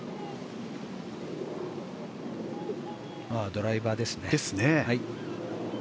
ドライバーですね。